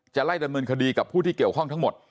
ไล่ดำเนินคดีกับผู้ที่เกี่ยวข้องทั้งหมด